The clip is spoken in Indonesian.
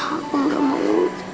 aku gak mau